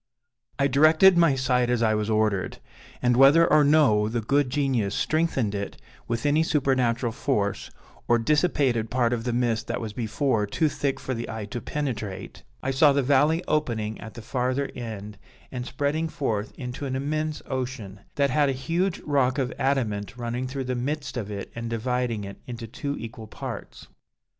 "I directed my sight as I was ordered, and (whether or no the good Genius strengthened it with any supernatural force, or dissipated part of the mist that was before too thick for the eye to penetrate) I saw the valley opening at the farther end and spreading forth into an immense ocean, that had a huge rock of adamant running through the midst of it and dividing it into two equal parts.